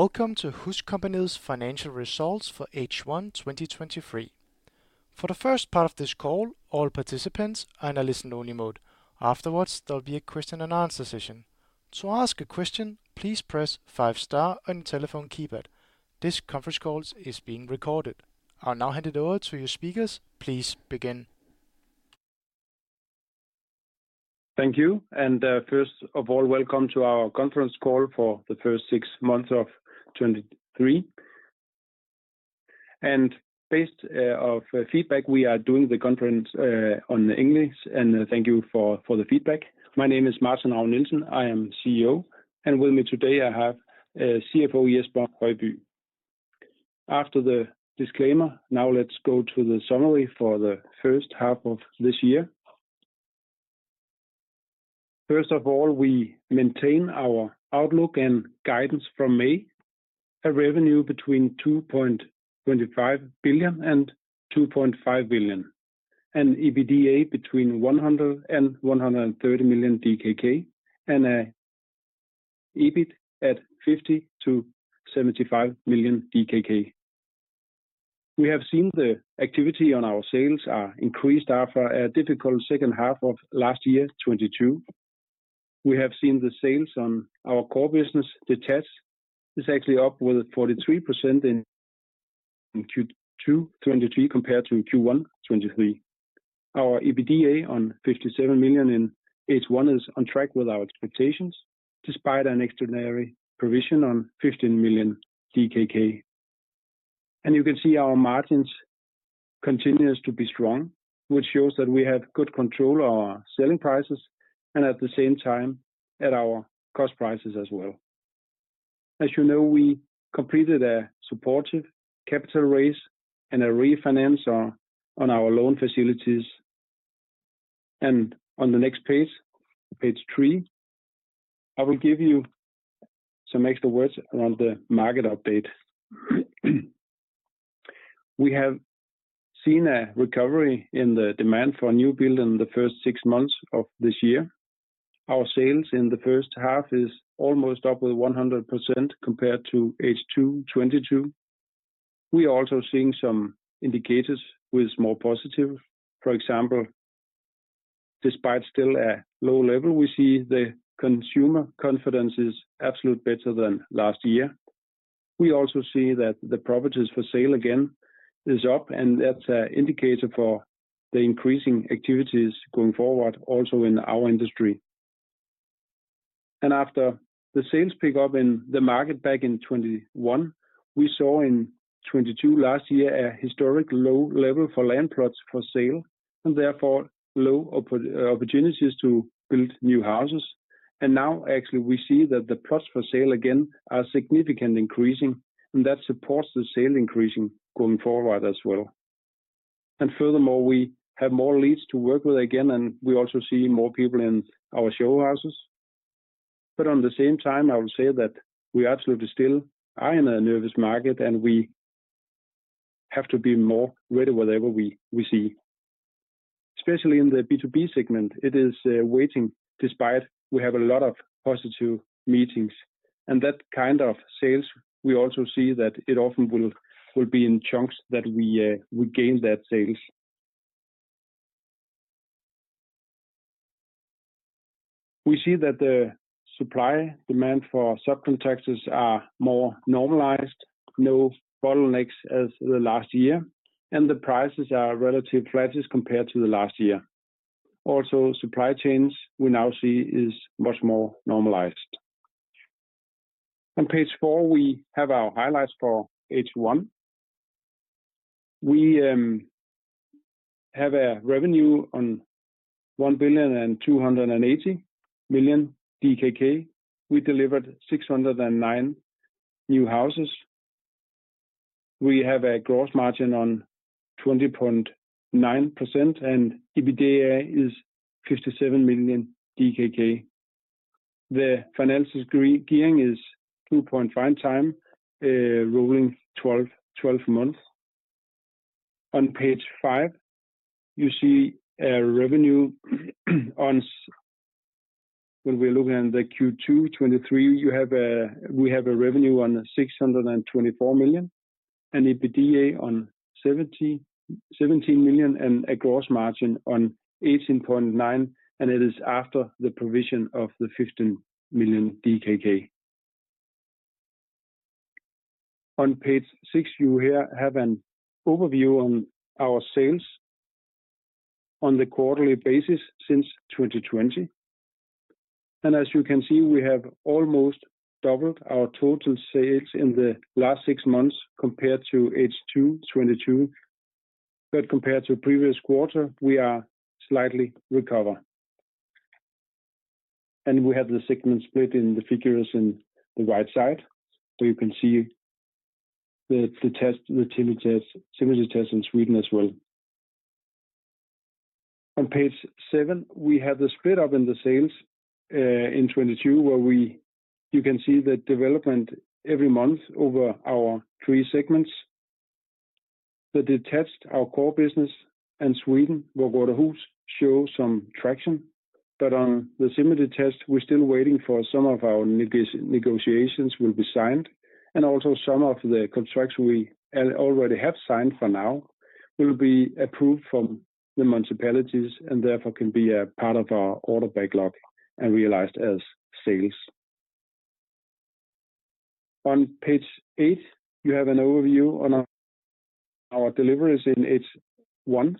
Welcome to HusCompagniet's financial results for H1, 2023. For the first part of this call, all participants are in a listen-only mode. Afterwards, there will be a question and answer session. To ask a question, please press five star on your telephone keypad. This conference call is being recorded. I'll now hand it over to your speakers. Please begin. Thank you. First of all, welcome to our conference call for the first six months of 2023. Based of feedback, we are doing the conference in English, and thank you for, for the feedback. My name is Martin Ravn-Nielsen, I am CEO, and with me today, I have CFO Jesper Høybye. After the disclaimer, now let's go to the summary for the first half of this year. First of all, we maintain our outlook and guidance from May, a revenue between 2.25 billion and 2.5 billion, and EBITDA between 100 million and 130 million DKK, and EBIT at 50 million to 75 million DKK. We have seen the activity on our sales are increased after a difficult second half of last year, 2022. We have seen the sales on our core business, detached, is actually up with 43% in Q2 2023 compared to Q1 2023. Our EBITDA on 57 million in H1 is on track with our expectations, despite an extraordinary provision on 15 million DKK. You can see our margins continues to be strong, which shows that we have good control on our selling prices and at the same time, at our cost prices as well. As you know, we completed a supportive capital raise and a refinance on our loan facilities. On the next page, page three, I will give you some extra words around the market update. We have seen a recovery in the demand for new build in the first six months of this year. Our sales in the first half is almost up with 100% compared to H2 2022. We are also seeing some indicators which is more positive. For example, despite still a low level, we see the consumer confidence is absolute better than last year. We also see that the properties for sale again is up, and that's an indicator for the increasing activities going forward, also in our industry. After the sales pick up in the market back in 2021, we saw in 2022 last year, a historic low level for land plots for sale, and therefore low opportunities to build new houses. Now actually, we see that the plots for sale again are significantly increasing, and that supports the sale increasing going forward as well. Furthermore, we have more leads to work with again, and we also see more people in our show houses. On the same time, I would say that we absolutely still are in a nervous market, and we have to be more ready, whatever we, we see. Especially in the B2B segment, it is waiting, despite we have a lot of positive meetings. That kind of sales, we also see that it often will, will be in chunks that we gain that sales. We see that the supply demand for subcontractors are more normalized, no bottlenecks as the last year, and the prices are relatively flat as compared to the last year. Supply chains we now see is much more normalized. On page four, we have our highlights for H1. We have a revenue on DKK 1.28 billion. We delivered 609 new houses. We have a gross margin on 20.9%. EBITDA is 57 million DKK. The financial gearing is 2.5 times rolling 12 months. On page five, you see a revenue. When we're looking at the Q2 2023, we have a revenue on 624 million, EBITDA on 17 million, and a gross margin on 18.9%, and it is after the provision of the 15 million DKK. On page six, you here have an overview on our sales on the quarterly basis since 2020. As you can see, we have almost doubled our total sales in the last six months compared to H2 2022. Compared to previous quarter, we are slightly recover. We have the segment split in the figures in the right side, so you can see the, the detached, the semi-detached, similar test in Sweden as well. On page seven, we have the split up in the sales in 2022, you can see the development every month over our 3 segments. The detached, our core business, in Sweden, VårgårdaHus, show some traction, but on the semi-detached, we're still waiting for some of our negotiations will be signed, and also some of the contracts we already have signed for now will be approved from the municipalities, and therefore can be a part of our order backlog and realized as sales. On page eight, you have an overview on our, our deliveries in H1,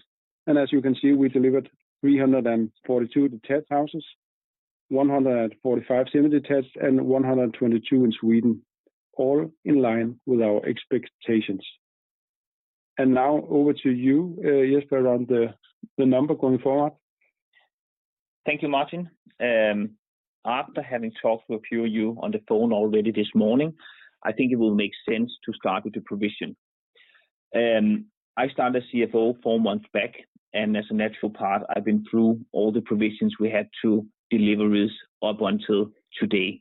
as you can see, we delivered 342 detached houses, 145 semi-detached, and 122 in Sweden, all in line with our expectations. Now over to you, Jesper, on the, the number going forward. Thank you, Martin. After having talked to a few of you on the phone already this morning, I think it will make sense to start with the provision. I started as CFO four months back, and as a natural part, I've been through all the provisions we had to deliveries up until today.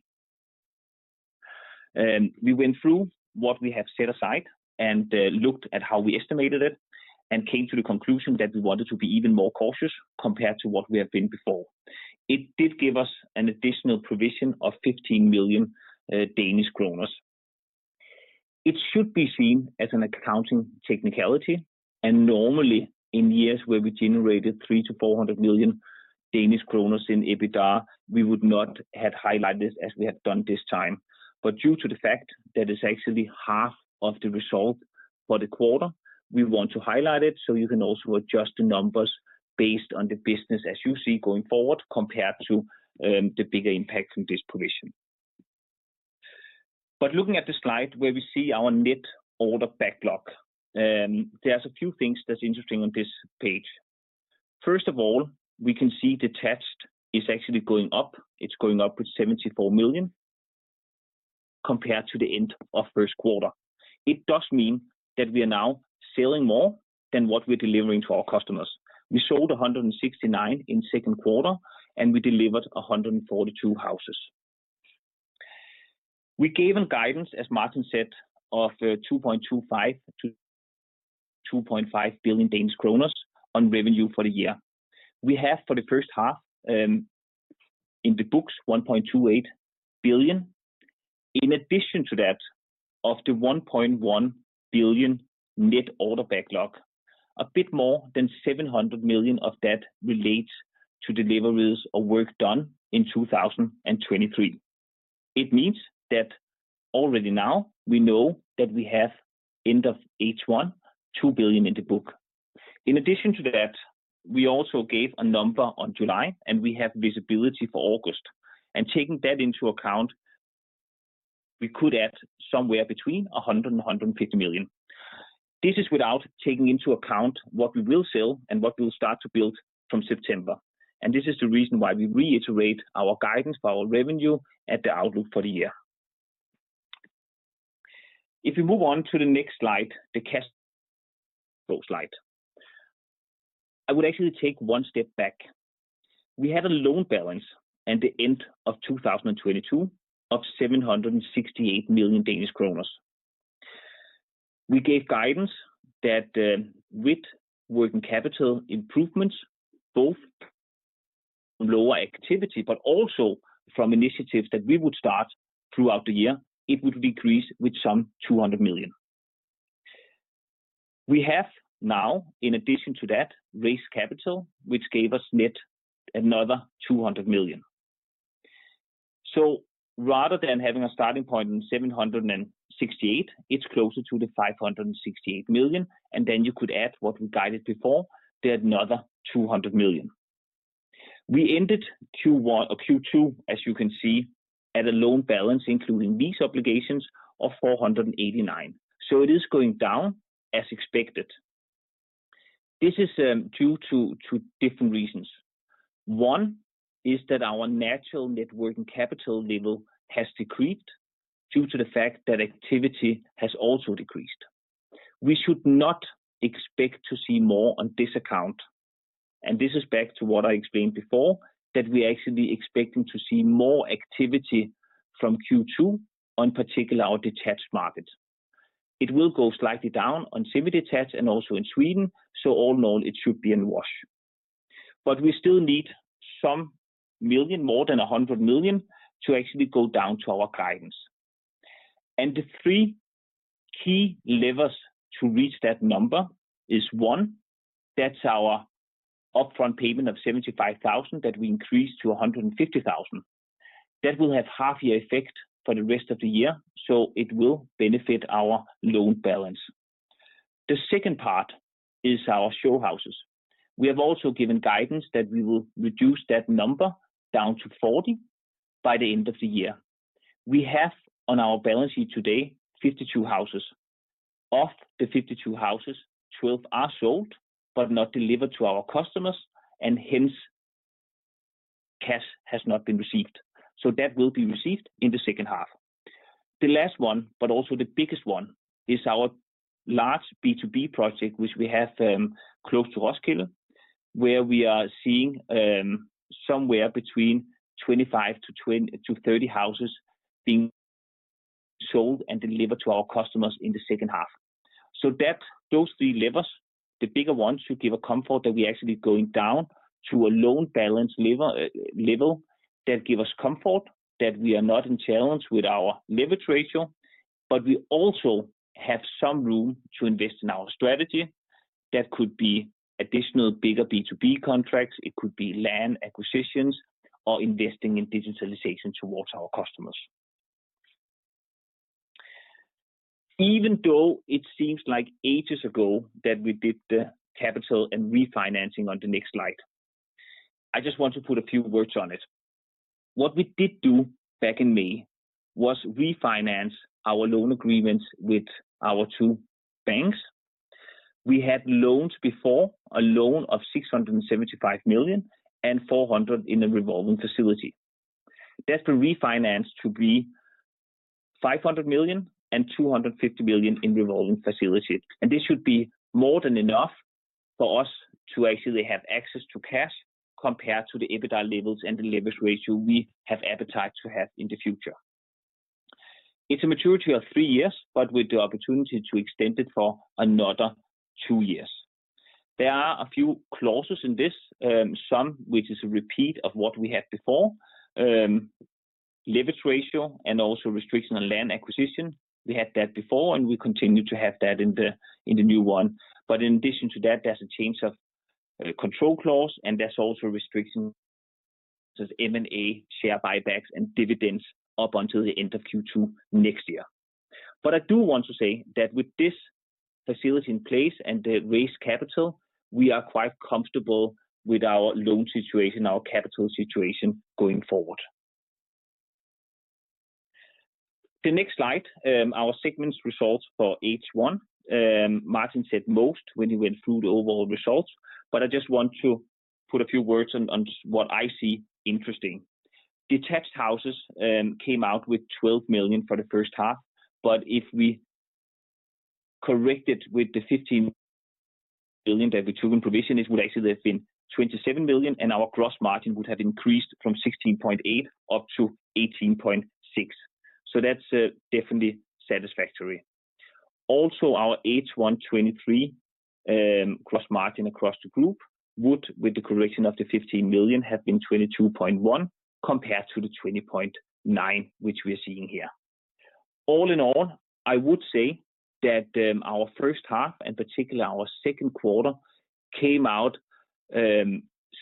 We went through what we have set aside and looked at how we estimated it and came to the conclusion that we wanted to be even more cautious compared to what we have been before. It did give us an additional provision of 15 million Danish kroner. It should be seen as an accounting technicality, and normally, in years where we generated 300 million-400 million Danish kroner in EBITDA, we would not have highlighted as we have done this time. Due to the fact that it's actually half of the result for the quarter, we want to highlight it, so you can also adjust the numbers based on the business as you see going forward, compared to the bigger impact from this provision. Looking at the slide where we see our net order backlog, there's a few things that's interesting on this page. First of all, we can see detached is actually going up. It's going up with 74 million compared to the end of Q1. It does mean that we are now selling more than what we're delivering to our customers. We sold 169 in Q2, and we delivered 142 houses. We gave a guidance, as Martin said, of 2.25 billion-2.5 billion Danish kroner on revenue for the year. We have, for the first half, in the books, 1.28 billion. In addition to that, of the 1.1 billion net order backlog, a bit more than 700 million of that relates to deliveries or work done in 2023. It means that already now we know that we have end of H1, 2 billion in the book. In addition to that, we also gave a number on July, and we have visibility for August. Taking that into account, we could add somewhere between 100 million-150 million. This is without taking into account what we will sell and what we'll start to build from September, and this is the reason why we reiterate our guidance for our revenue at the outlook for the year. If you move on to the next slide, the cash flow slide, I would actually take one step back. We had a loan balance at the end of 2022 of 768 million Danish kroner. We gave guidance that, with working capital improvements, both lower activity, but also from initiatives that we would start throughout the year, it would decrease with some 200 million. We have now, in addition to that, raised capital, which gave us net another 200 million. Rather than having a starting point in 768 million, it's closer to the 568 million, and then you could add what we guided before, there another 200 million. We ended Q1 or Q2, as you can see, at a loan balance, including these obligations, of 489 million. It is going down as expected. This is due to 2 different reasons. One is that our natural net working capital level has decreased due to the fact that activity has also decreased. We should not expect to see more on this account, and this is back to what I explained before, that we're actually expecting to see more activity from Q2, on particular our detached markets. It will go slightly down on semi-detached and also in Sweden. All in all, it should be a wash. We still need some million, more than 100 million, to actually go down to our guidance. The 3 key levers to reach that number is, 1, that's our upfront payment of 75,000, that we increased to 150,000. That will have half year effect for the rest of the year. It will benefit our loan balance. The second part is our show houses. We have also given guidance that we will reduce that number down to 40 by the end of the year. We have, on our balance sheet today, 52 houses. Of the 52 houses, 12 are sold, but not delivered to our customers, and hence, cash has not been received. That will be received in the second half. The last one, but also the biggest one, is our large B2B project, which we have, close to Roskilde, where we are seeing, somewhere between 25 to 30 houses being sold and delivered to our customers in the second half. That, those three levers, the bigger ones, should give a comfort that we're actually going down to a loan balance lever, level, that give us comfort that we are not in challenge with our leverage ratio, but we also have some room to invest in our strategy. That could be additional bigger B2B contracts, it could be land acquisitions, or investing in digitalization towards our customers. Even though it seems like ages ago that we did the capital and refinancing on the next slide, I just want to put a few words on it. What we did do back in May was refinance our loan agreements with our two banks. We had loans before, a loan of 675 million and 400 in the revolving facility. That's been refinanced to be 500 million and 250 million in revolving facility. This should be more than enough for us to actually have access to cash compared to the EBITDA levels and the leverage ratio we have appetite to have in the future. It's a maturity of three years, with the opportunity to extend it for another two years. There are a few clauses in this, some which is a repeat of what we had before. Leverage ratio and also restriction on land acquisition. We had that before. We continue to have that in the, in the new one. In addition to that, there's a change of control clause. There's also restriction as M&A share buybacks and dividends up until the end of Q2 next year. I do want to say that with this facility in place and the raised capital, we are quite comfortable with our loan situation, our capital situation going forward. The next slide, our segments results for H1. Martin said most when he went through the overall results, but I just want to put a few words on, on what I see interesting. Detached houses came out with 12 million for the first half, but if we correct it with the 15 billion that we took in provision, it would actually have been 27 million, and our gross margin would have increased from 16.8 up to 18.6. That's definitely satisfactory. Our H1 2023 gross margin across the group would, with the correction of the 15 million, have been 22.1%, compared to the 20.9%, which we're seeing here. All in all, I would say that our first half, and particularly our Q2, came out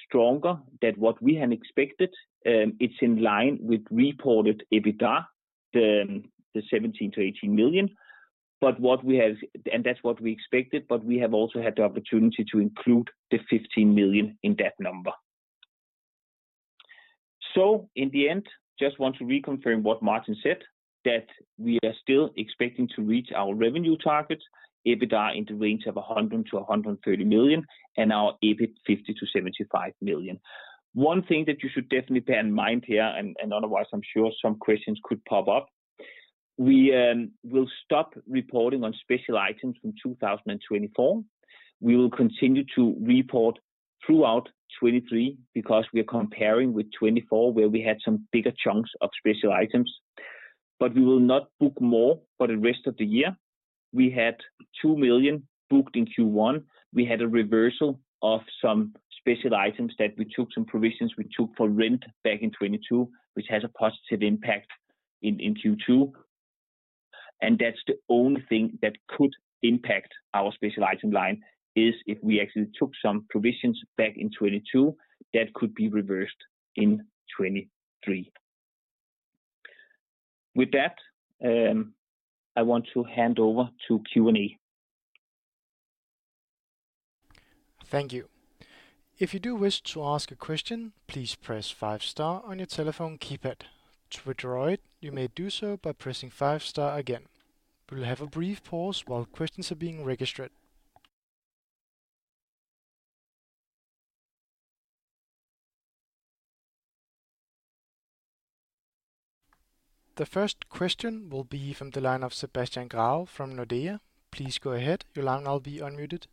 stronger than what we had expected. It's in line with reported EBITDA, the 17 million-18 million. That's what we expected, we have also had the opportunity to include the 15 million in that number. In the end, just want to reconfirm what Martin said, that we are still expecting to reach our revenue targets, EBITDA in the range of 100 million-130 million, and our EBIT, 50 million-75 million. One thing that you should definitely bear in mind here, and otherwise, I'm sure some questions could pop up, we will stop reporting on special items from 2024. We will continue to report throughout 2023, because we are comparing with 2024, where we had some bigger chunks of special items. We will not book more for the rest of the year. We had 2 million booked in Q1. We had a reversal of some special items that we took some provisions we took for rent back in 2022, which has a positive impact in Q2. That's the only thing that could impact our special item line, is if we actually took some provisions back in 2022, that could be reversed in 2023. With that, I want to hand over to Q&A. Thank you. If you do wish to ask a question, please press five star on your telephone keypad. To withdraw it, you may do so by pressing five star again. We will have a brief pause while questions are being registered. The first question will be from the line of Sebastian Graabæk from Nordea. Please go ahead. Your line will now be unmuted.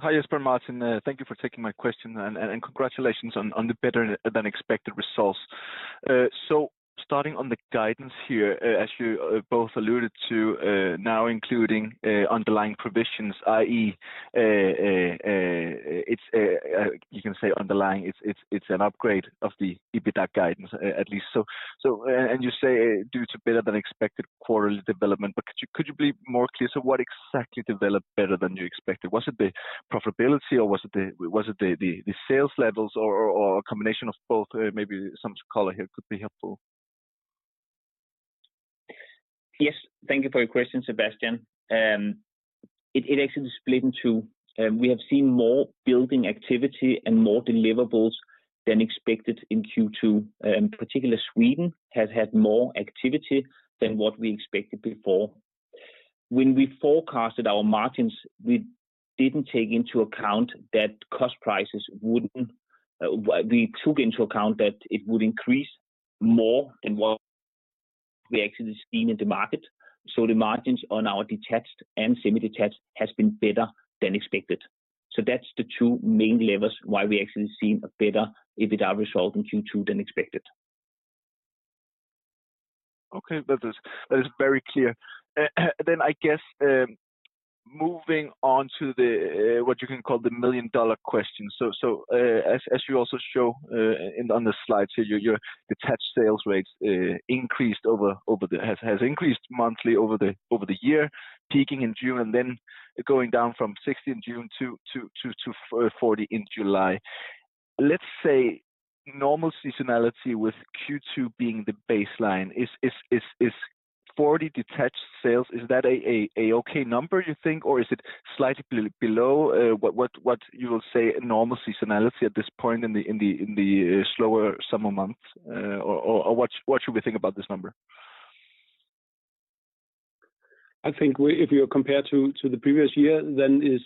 Hi, Jesper and Martin. Thank you for taking my question, and congratulations on the better than expected results. Starting on the guidance here, as you both alluded to, now including underlying provisions, i.e., it's a you can say underlying, an upgrade of the EBITDA guidance, at least. You say due to better than expected quarterly development, could you be more clear? What exactly developed better than you expected? Was it the profitability, or was it the sales levels or a combination of both? Maybe some color here could be helpful. Yes. Thank you for your question, Sebastian. It, it actually split in two. We have seen more building activity and more deliverables than expected in Q2. In particular, Sweden has had more activity than what we expected before. When we forecasted our margins, we didn't take into account that cost prices wouldn't. We took into account that it would increase more than what we actually seen in the market, so the margins on our detached and semi-detached has been better than expected. That's the two main levers why we actually seen a better EBITDA result in Q2 than expected. Okay, that is, that is very clear. I guess, moving on to the what you can call the million-dollar question. As you also show in on the slide here, your detached sales rates increased over, over the- has, has increased monthly over the, over the year, peaking in June, and then going down from 60 in June to 40 in July. Let's say normal seasonality with Q2 being the baseline, is 40 detached sales, is that a okay number you think? Or is it slightly below what you will say normal seasonality at this point in the slower summer months? Or what should we think about this number? If you compare to, to the previous year, then is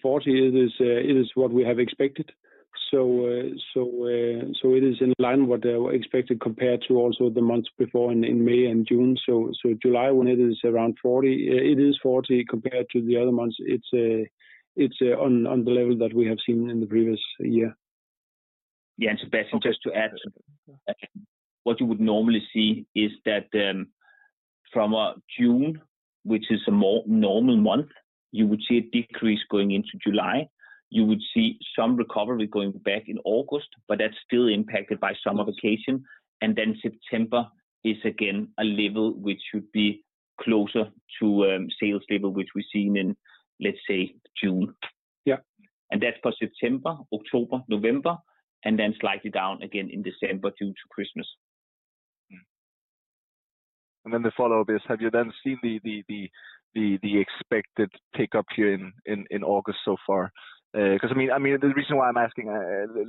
40 it is, it is what we have expected. It is in line what we expected compared to also the months before in May and June. July, when it is around 40, it is 40 compared to the other months. It's, it's on the level that we have seen in the previous year. Yeah, Sebastian, just to add, what you would normally see is that, from June, which is a more normal month, you would see a decrease going into July. You would see some recovery going back in August, but that's still impacted by summer vacation. Then September is again a level which should be closer to sales level, which we've seen in let's say June. Yeah. That's for September, October, November, and then slightly down again in December due to Christmas. Mm-hmm. The follow-up is, have you then seen the, the, the, the, the expected pickup here in, in, in August so far? Because I mean, I mean, the reason why I'm asking,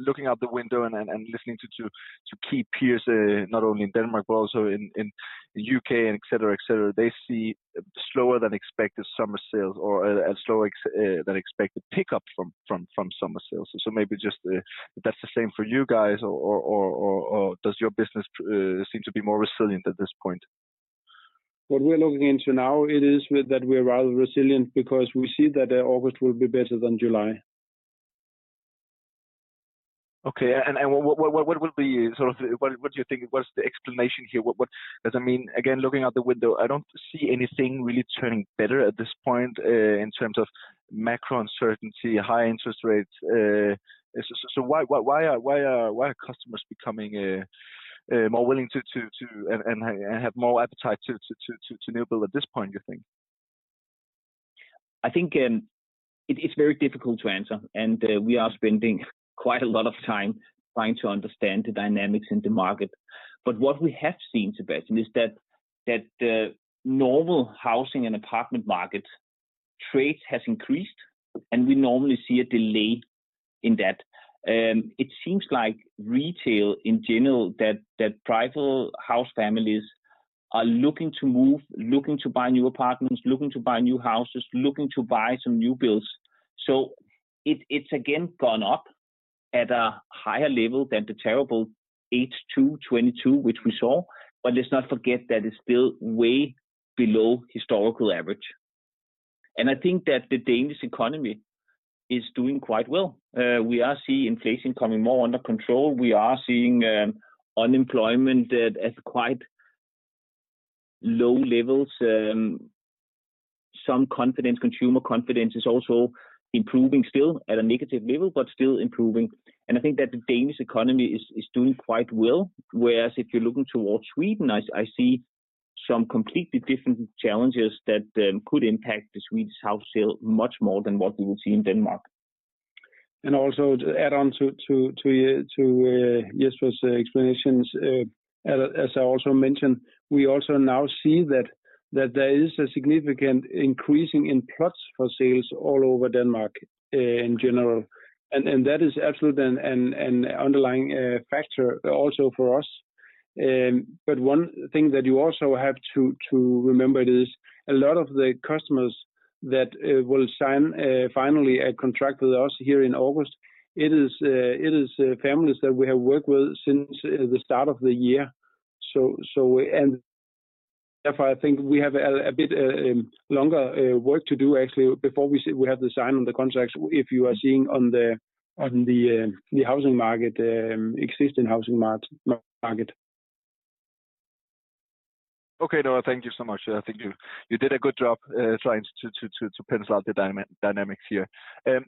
looking out the window and, and, and listening to, to, to key peers, not only in Denmark but also in, in the UK and et cetera, et cetera, they see slower than expected summer sales or a, a slow ex- than expected pickup from, from, from summer sales. Maybe just, if that's the same for you guys, or, or, or, or, or does your business, seem to be more resilient at this point? What we're looking into now, it is with that we're rather resilient because we see that August will be better than July. What would be sort of? What do you think, what's the explanation here? I mean, again, looking out the window, I don't see anything really turning better at this point, in terms of macro uncertainty, high interest rates. Why are customers becoming more willing to and have more appetite to new build at this point, you think? I think, it, it's very difficult to answer, and we are spending quite a lot of time trying to understand the dynamics in the market. What we have seen, Sebastian, is that, that the normal housing and apartment market trades has increased, and we normally see a delay in that. It seems like retail in general, that, that private house families are looking to move, looking to buy new apartments, looking to buy new houses, looking to buy some new builds. It, it's again gone up at a higher level than the terrible H2 2022, which we saw, but let's not forget that it's still way below historical average. I think that the Danish economy is doing quite well. We are seeing inflation coming more under control. We are seeing unemployment at, at quite low levels. Some confidence, consumer confidence is also improving, still at a negative level, but still improving. I think that the Danish economy is doing quite well, whereas if you're looking towards Sweden, I see some completely different challenges that could impact the Swedish house sale much more than what we will see in Denmark. Also to add on to, to, to, to Jesper's explanations, as, as I also mentioned, we also now see that, that there is a significant increasing in plots for sales all over Denmark in general. That is absolutely an, an underlying factor also for us. But one thing that you also have to, to remember is a lot of the customers that will sign finally a contract with us here in August, it is, it is families that we have worked with since the start of the year. Therefore, I think we have a, a bit longer work to do actually, before we have the sign on the contracts, if you are seeing on the, on the housing market, existing housing market. Okay. No, thank you so much. I think you, you did a good job trying to, to, to, to pencil out the dynamics here.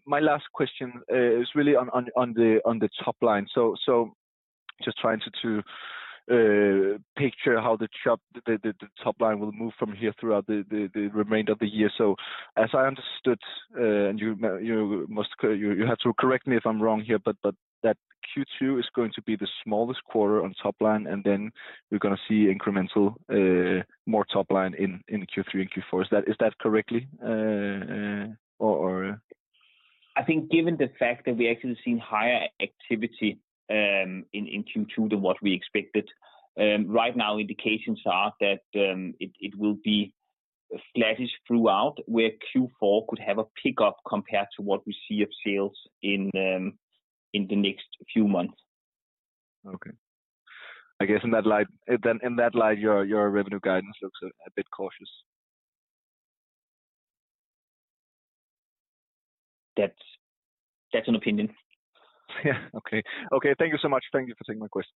My last question is really on, on, on the, on the top line. Just trying to, to picture how the the the top line will move from here throughout the the the remainder of the year. As I understood, and you must correct, you, you have to correct me if I'm wrong here, but, but that Q2 is going to be the smallest quarter on top line, and then we're going to see incremental more top line in, in Q3 and Q4. Is that, is that correctly, or, or? I think given the fact that we actually seen higher activity, in Q2 than what we expected, right now indications are that, it, it will be flattish throughout, where Q4 could have a pickup compared to what we see of sales in the next few months. Okay. I guess in that light, if then in that light, your, your revenue guidance looks a bit cautious. That's, that's an opinion. Yeah. Okay. Okay, thank you so much. Thank you for taking my question.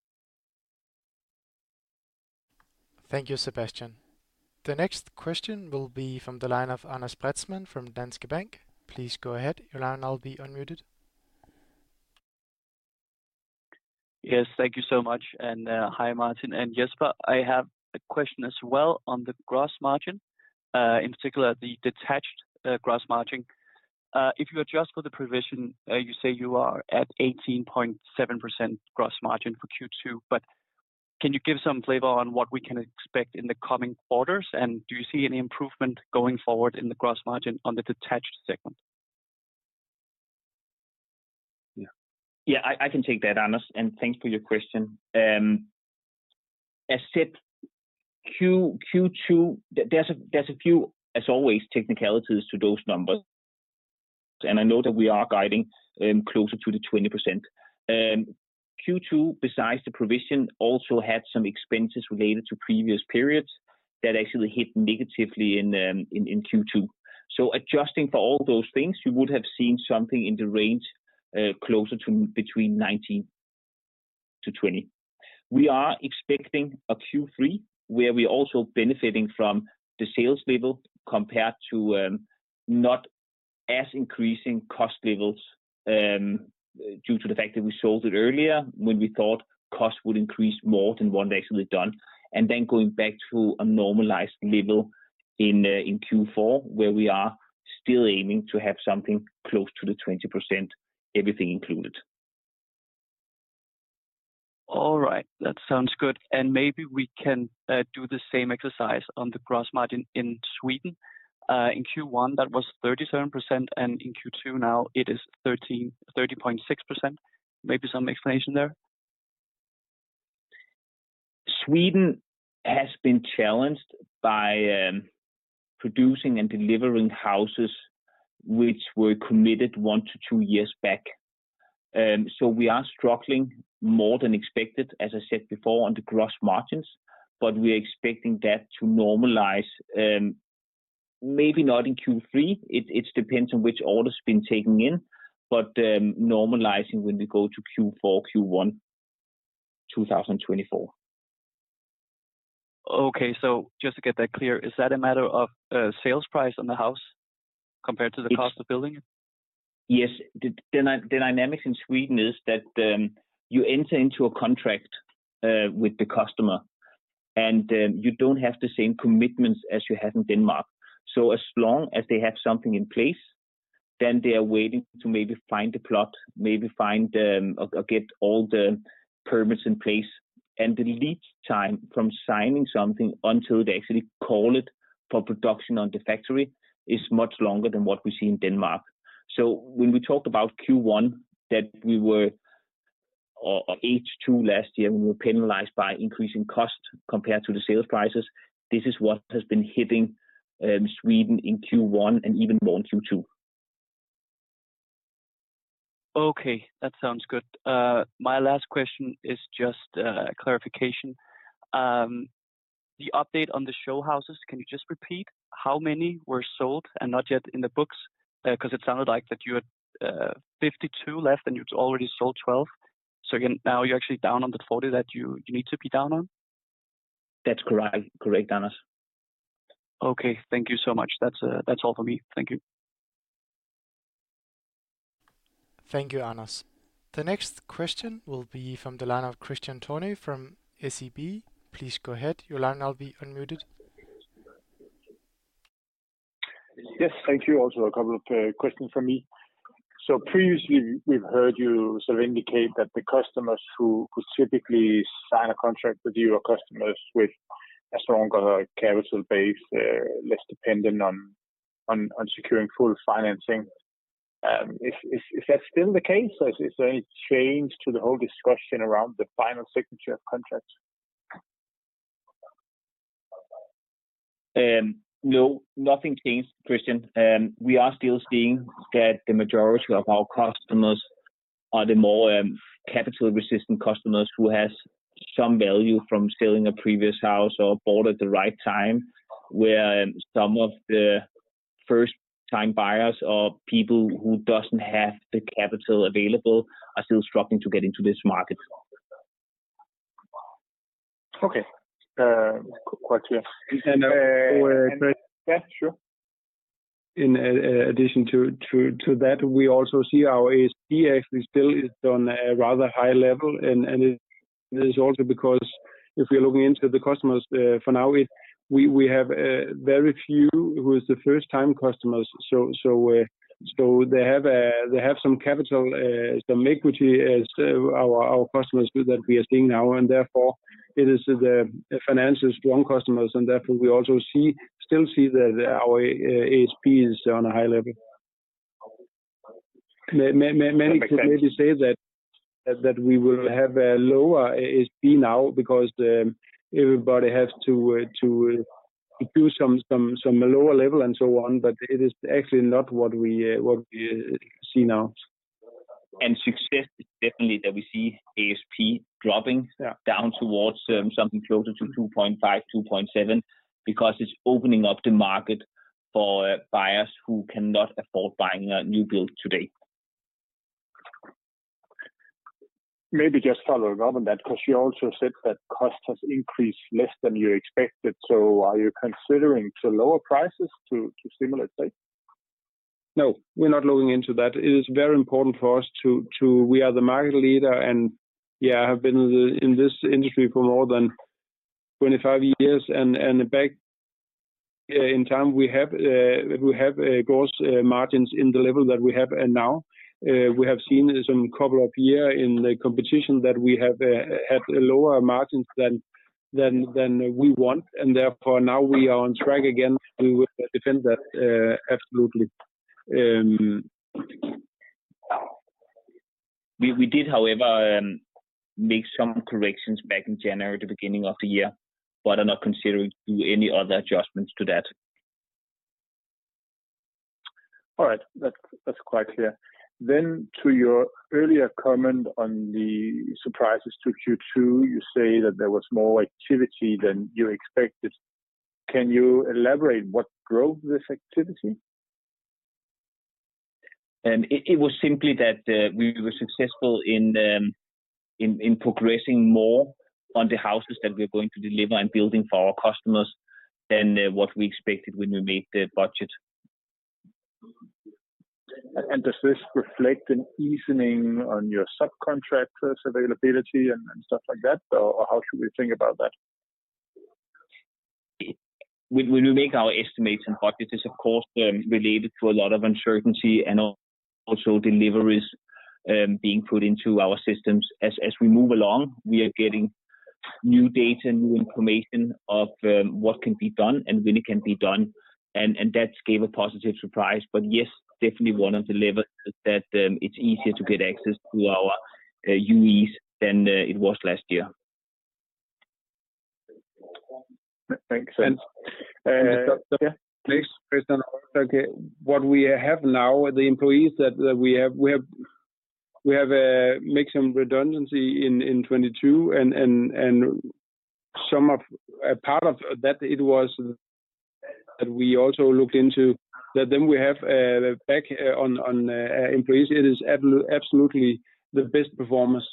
Thank you, Sebastian. The next question will be from the line of Andreas Bretzman from Danske Bank. Please go ahead. Your line now will be unmuted. Yes, thank you so much. Hi, Martin and Jesper. I have a question as well on the gross margin, in particular, the detached gross margin. If you adjust for the provision, you say you are at 18.7% gross margin for Q2, but can you give some flavor on what we can expect in the coming quarters? Do you see any improvement going forward in the gross margin on the detached segment? Yeah. Yeah, I, I can take that, Anders, and thanks for your question. As said, Q2, Q2, there's a, there's a few, as always, technicalities to those numbers, and I know that we are guiding closer to the 20%. Q2, besides the provision, also had some expenses related to previous periods that actually hit negatively in Q2. Adjusting for all those things, you would have seen something in the range closer to between 19-20. We are expecting a Q3, where we're also benefiting from the sales level compared to, not as increasing cost levels, due to the fact that we sold it earlier when we thought costs would increase more than what actually done, and then going back to a normalized level in Q4, where we are still aiming to have something close to the 20%, everything included. All right, that sounds good. Maybe we can do the same exercise on the gross margin in Sweden. In Q1, that was 37%, and in Q2 now it is 30.6%. Maybe some explanation there? Sweden has been challenged by, producing and delivering houses which were committed one to two years back. We are struggling more than expected, as I said before, on the gross margins, but we are expecting that to normalize, maybe not in Q3. It depends on which orders been taken in, but, normalizing when we go to Q4, Q1, 2024. Okay. Just to get that clear, is that a matter of sales price on the house compared to the cost of building it? Yes. The dynamics in Sweden is that, you enter into a contract with the customer, and you don't have the same commitments as you have in Denmark. As long as they have something in place, then they are waiting to maybe find a plot, maybe find, or get all the permits in place. The lead time from signing something until they actually call it for production on the factory is much longer than what we see in Denmark. When we talked about Q1, that we or H2 last year, we were penalized by increasing costs compared to the sales prices. This is what has been hitting Sweden in Q1 and even more in Q2. Okay, that sounds good. My last question is just clarification. The update on the show houses, can you just repeat how many were sold and not yet in the books? Because it sounded like that you had 52 left, and you'd already sold 12. Again, now you're actually down on the 40 that you, you need to be down on? That's correct. Correct, Anders. Okay, thank you so much. That's, that's all for me. Thank you. Thank you, Anders. The next question will be from the line of Kristian Tornøe from SEB. Please go ahead. Your line now will be unmuted. Yes, thank you. Also, a couple of questions from me. Previously, we've heard you sort of indicate that the customers who would typically sign a contract with you are customers with a stronger capital base, less dependent on, on, on securing full financing. Is, is, is that still the case? Is, is there any change to the whole discussion around the final signature of contracts? No, nothing changed, Kristian. We are still seeing that the majority of our customers are the more capital-resistant customers who has some value from selling a previous house or bought at the right time, where some of the first-time buyers or people who doesn't have the capital available are still struggling to get into this market. Okay, quite clear. Yeah, sure. In addition to that, we also see our ASP actually still is on a rather high level. It is also because if you're looking into the customers for now, we have very few who is the first-time customers. They have some capital, some equity as our customers that we are seeing now. Therefore, it is the financially strong customers. Therefore, we also still see that our ASP is on a high level. Many could maybe say that, that we will have a lower ASP now because everybody has to do some lower level and so on, but it is actually not what we see now. Success is definitely that we see ASP dropping. Yeah. -down towards, something closer to 2.5, 2.7, because it's opening up the market for buyers who cannot afford buying a new build today. Maybe just follow up on that, because you also said that cost has increased less than you expected. Are you considering to lower prices to, to stimulate sale? No, we're not looking into that. It is very important for us to. We are the market leader. Yeah, I have been in the, in this industry for more than 25 years. Back in time, we have gross margins in the level that we have now. We have seen in some couple of years in the competition that we have had lower margins than we want. Therefore, now we are on track again. We will defend that, absolutely. We, we did, however, make some corrections back in January, the beginning of the year, but are not considering do any other adjustments to that. All right. That's, that's quite clear. To your earlier comment on the surprises to Q2, you say that there was more activity than you expected. Can you elaborate what drove this activity? It, it was simply that we were successful in, in, in progressing more on the houses that we're going to deliver and building for our customers than what we expected when we made the budget. Does this reflect an easing on your subcontractors' availability and stuff like that, or how should we think about that? When, when we make our estimates and budgets, it's of course, related to a lot of uncertainty and also deliveries, being put into our systems. As we move along, we are getting new data, new information of, what can be done and when it can be done, and that gave a positive surprise. Yes, definitely one of the levels is that, it's easier to get access to our UEs than it was last year. Thanks. And, Next question. Okay, what we have now are the employees that, that we have. We have make some redundancy in 2022. A part of that, it was that we also looked into. That then we have back on employees, it is absolutely the best performance.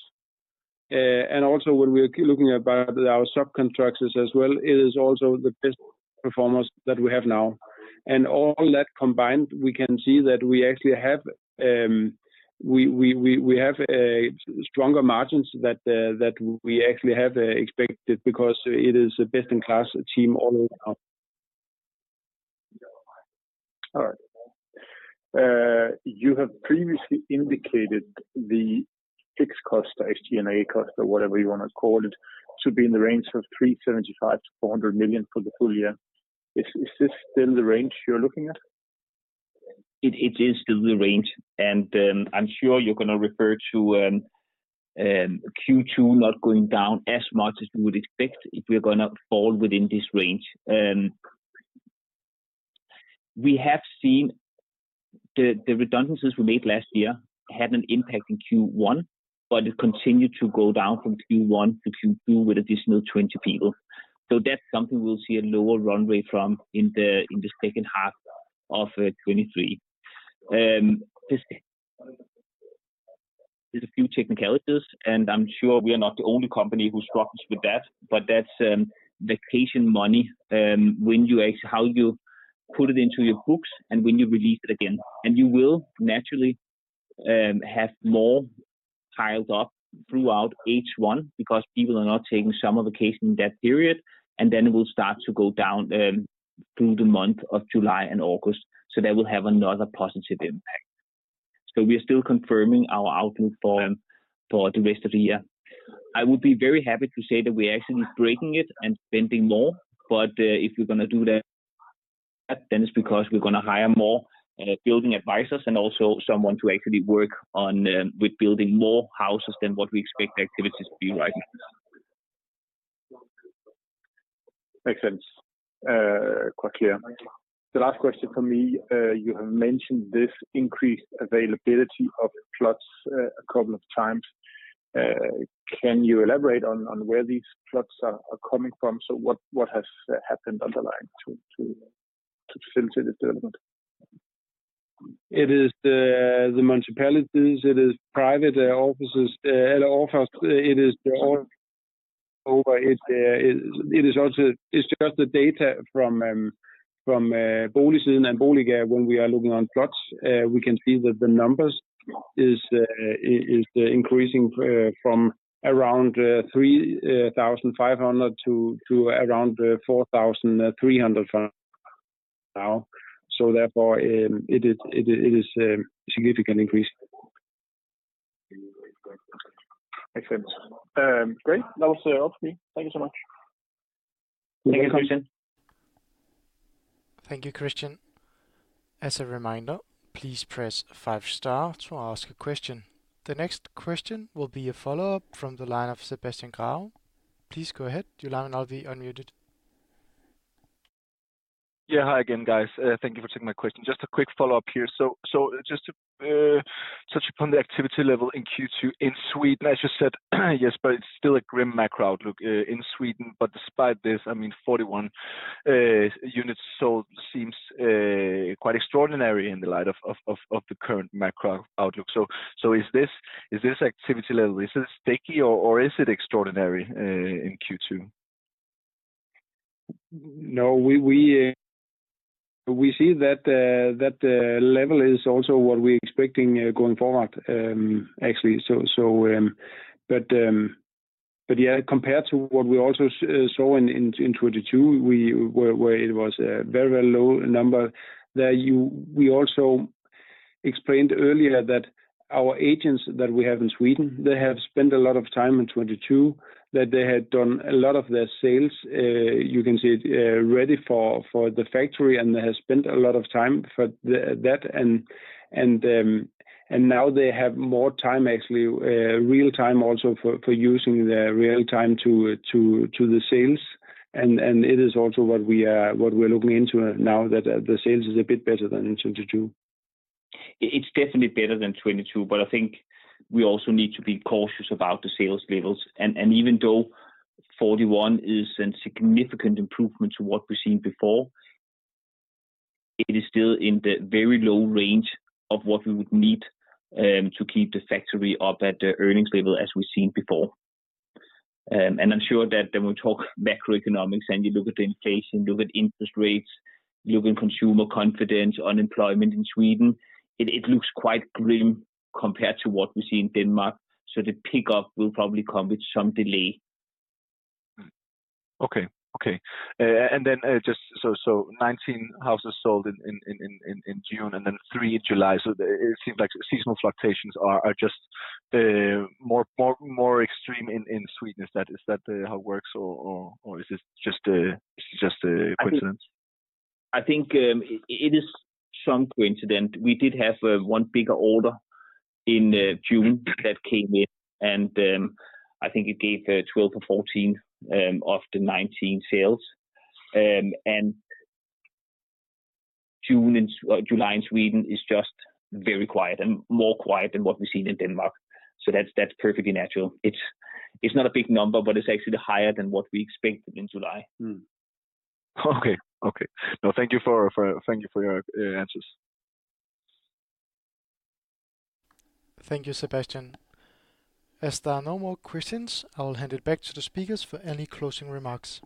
Also when we are looking about our subcontractors as well, it is also the best performance that we have now. All that combined, we can see that we actually have a stronger margins than we actually have expected because it is a best-in-class team all around. All right. You have previously indicated the fixed cost, SG&A cost, or whatever you want to call it, to be in the range of 375 million-400 million for the full year. Is, is this still the range you're looking at? It, it is still the range. I'm sure you're going to refer to Q2 not going down as much as you would expect if we are going to fall within this range. We have seen the redundancies we made last year had an impact in Q1, it continued to go down from Q1 to Q2 with additional 20 people. That's something we'll see a lower runway from in the second half of 2023. There's a few technicalities, I'm sure we are not the only company who struggles with that, but that's vacation money, when you actually how you put it into your books and when you release it again. You will naturally have more piled up throughout H1 because people are not taking summer vacation in that period, and then it will start to go down through the month of July and August, so that will have another positive impact. We are still confirming our outlook for, for the rest of the year. I would be very happy to say that we're actually breaking it and spending more, but if we're going to do that, then it's because we're going to hire more building advisors and also someone to actually work on with building more houses than what we expect the activity to be right now. Makes sense. Quite clear. The last question from me, you have mentioned this increased availability of plots, a couple of times. Can you elaborate on, on where these plots are, are coming from? What, what has happened underlying to, to, to facilitate this development? It is the, the municipalities, it is private offices, at office. It is all over. It's just the data from, from, Boligsiden and Boliga, when we are looking on plots, we can see that the numbers is, is increasing, from around, 3,500 to, to around, 4,300 now. Therefore, it is, it is, it is a significant increase. Makes sense. Great. That was all for me. Thank you so much. Thank you. Thank you, Christian. As a reminder, please press five star to ask a question. The next question will be a follow-up from the line of Sebastian Graah. Please go ahead. Your line will now be unmuted. Yeah. Hi again, guys. Thank you for taking my question. Just a quick follow-up here. Just to touch upon the activity level in Q2 in Sweden, as you said, yes, but it's still a grim macro outlook in Sweden, but despite this, I mean, 41 units sold seems quite extraordinary in the light of, of, of, of the current macro outlook. Is this, is this activity level, is it sticky or, or is it extraordinary in Q2? We, we, we see that, that, level is also what we're expecting, going forward, actually. So, but, but yeah, compared to what we also saw in, in, in 2022, where, where it was a very, very low number, that we also explained earlier that our agents that we have in Sweden, they have spent a lot of time in 2022, that they had done a lot of their sales, you can see it, ready for, for the factory, and they have spent a lot of time for the, that. And, and now they have more time, actually, real time also for, for using the real time to, to, to the sales. It is also what we are, what we're looking into now, that the sales is a bit better than in 2022. It's definitely better than 22, but I think we also need to be cautious about the sales levels. Even though 41 is a significant improvement to what we've seen before, it is still in the very low range of what we would need to keep the factory up at the earnings level as we've seen before. I'm sure that when we talk macroeconomics, and you look at the inflation, look at interest rates, look in consumer confidence, unemployment in Sweden, it, it looks quite grim compared to what we see in Denmark, so the pickup will probably come with some delay. Okay, okay. Just so, 19 houses sold in June and then three in July. It seems like seasonal fluctuations are, are just, more, more, more extreme in Sweden. Is that, is that, how it works, or is this just a, just a coincidence? I think, it is some coincidence. We did have, one bigger order in, June that came in, and, I think it gave, 12-14, of the 19 sales. June and July in Sweden is just very quiet and more quiet than what we've seen in Denmark, so that's, that's perfectly natural. It's, it's not a big number, but it's actually higher than what we expected in July. Mm-hmm. Okay, okay. No, thank you for your answers. Thank you, Sebastian. As there are no more questions, I will hand it back to the speakers for any closing remarks.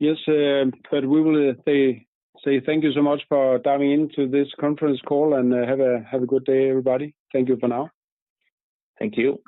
We will say, say thank you so much for dialing in to this conference call, and have a good day, everybody. Thank you for now. Thank you.